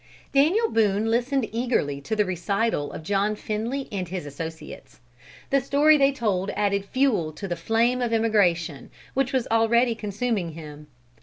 Daniel Boone listened eagerly to the recital of John Finley and his associates. The story they told added fuel to the flame of emigration, which was already consuming him.